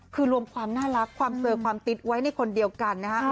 คือรวมความน่ารักความเซอร์ความติ๊ดไว้ในคนเดียวกันนะฮะ